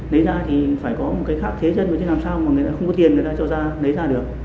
lấy ra thì phải có một cái khác thế dân làm sao mà người ta không có tiền người ta cho ra lấy ra được